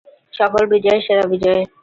সকল বিজয়ের সেরা বিজয়।